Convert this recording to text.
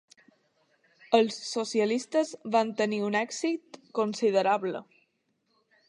Els socialistes van tenir un èxit considerable.